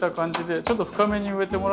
ちょっと深めに植えてもらって。